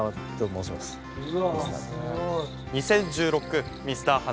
２０１６ミスター跳